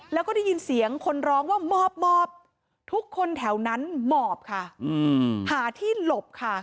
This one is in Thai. แล้วก็ได้ยินเสียงคนร้องว่าหมอบทุกคนแถวนั้นหมอบค่ะหาที่หลบค่ะ